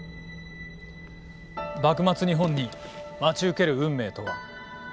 幕末日本に待ち受ける運命とは。